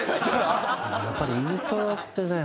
やっぱりイントロってね